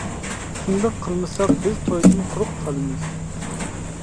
شۇنداق قىلمىساق بىز تويدىن قۇرۇق قالىمىز.